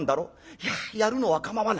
いややるのはかまわない。